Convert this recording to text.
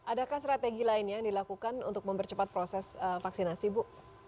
adakah strategi lainnya yang dilakukan untuk mempercepat proses vaksinasi bu